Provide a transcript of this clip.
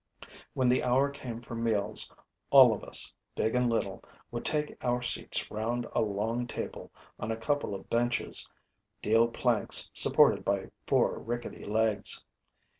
When the hour came for meals, all of us, big and little, would take our seats round a long table, on a couple of benches, deal planks supported by four rickety legs.